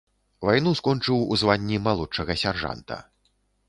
Вайну скончыў у званні малодшага сяржанта.